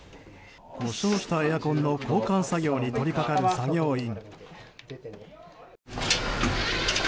故障したエアコンの交換作業に取り掛かる作業員。